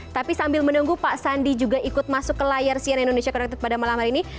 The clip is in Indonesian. tapi sambil menunggu pak sandi juga ikut masuk ke layar sian indonesia connected pada malam hari ini